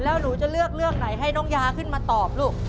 แล้วหนูจะเลือกเรื่องไหนให้น้องยาขึ้นมาตอบลูก